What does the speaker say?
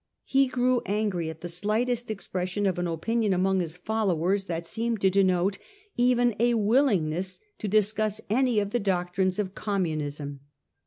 He grew angry at the slightest expression of an opinion among his followers that seemed to denote even a willingness to discuss any of the doctrines of Com munism.